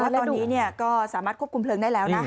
แล้วตอนนี้ก็สามารถควบคุมเพลิงได้แล้วนะ